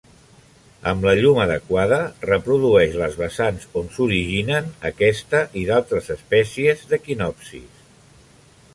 Amb la llum adequada, reprodueix les vessants on s'originen aquesta i d'altres espècies d'Echinopsis.